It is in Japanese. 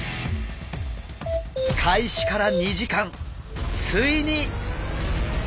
開始から２時間ついに！